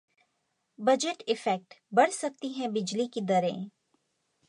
budget effect: बढ़ सकती हैं बिजली की दरें